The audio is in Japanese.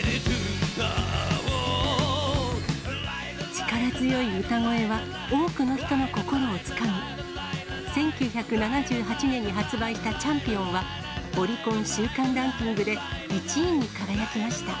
力強い歌声は多くの人の心をつかみ、１９７８年に発売したチャンピオンは、オリコン週間ランキングで１位に輝きました。